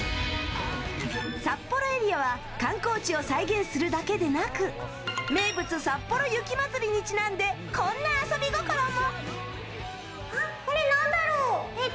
札幌エリアは観光地を再現するだけでなく名物さっぽろ雪まつりにちなんでこんな遊び心も。